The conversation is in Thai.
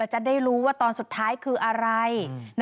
จะได้รู้ว่าตอนสุดท้ายคืออะไร